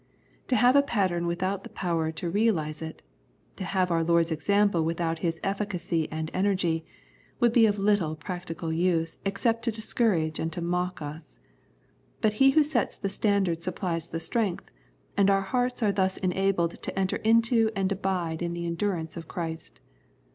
To have a pattern without the power to realise it, to have our Lord's example without His effi cacy and energy, would be of little practical use except to discourage and to mock us ; but He who sets the standard supplies the strength, and our hearts are thus enabled to enter into and abide in the endurance of Christ.